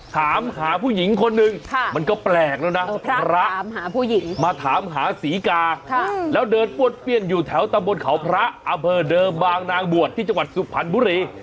ถามหาผู้หญิงคนนึงมันก็แปลกแล้วนะพระมาถามหาสีกาแล้วเดินปวดเปลี่ยนอยู่แถวตำบลขาวพระอเบอร์เดิมบางนางบวชที่จังหวัดสุภารบุรี